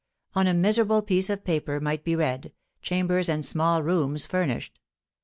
On a miserable piece of paper might be read, "Chambers and small rooms furnished."